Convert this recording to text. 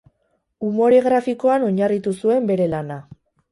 Umore grafikoan oinarritu zuen bere lana.